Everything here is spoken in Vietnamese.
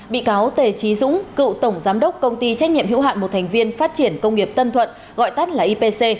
bị cáo tề trí dũng cựu tổng giám đốc công ty trách nhiệm hữu hạn một thành viên phát triển công nghiệp tân thuận gọi tắt là ipc